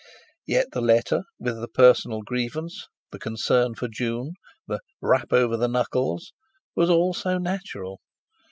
Yet the letter, with the personal grievance, the concern for June, the "rap over the knuckles," was all so natural.